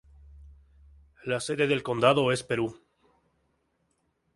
La sede del condado es Perú.